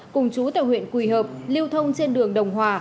cùng chú tại huyện quỳ hợp lưu thông trên đường đồng hòa